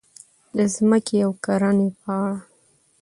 د ځمکې او کرنې په اړه: